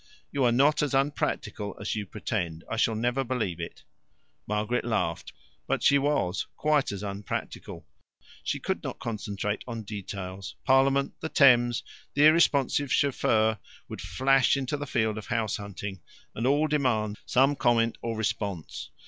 "You are not as unpractical as you pretend. I shall never believe it." Margaret laughed. But she was quite as unpractical. She could not concentrate on details. Parliament, the Thames, the irresponsive chauffeur, would flash into the field of house hunting, and all demand some comment or response.